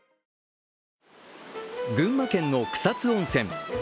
群馬県の草津温泉。